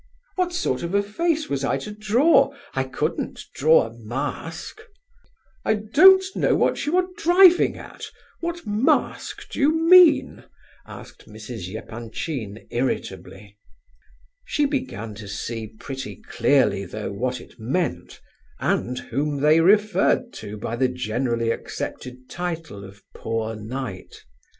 '" "What sort of a face was I to draw? I couldn't draw a mask." "I don't know what you are driving at; what mask do you mean?" said Mrs. Epanchin, irritably. She began to see pretty clearly though what it meant, and whom they referred to by the generally accepted title of "poor knight."